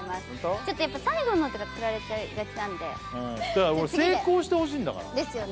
ちょっとやっぱ最後の音がつられちゃいがちなんで成功してほしいんだからですよね